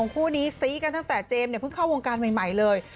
คู่นี้ซี้กันตั้งแต่เจมส์เนี่ยเพิ่งเข้าวงการใหม่เลย